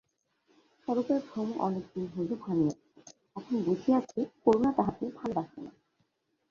স্বরূপের ভ্রম অনেক দিন হইল ভাঙিয়াছে, এখন বুঝিয়াছে করুণা তাহাকে ভালোবাসে না।